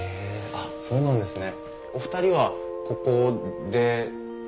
あっそうなんですね。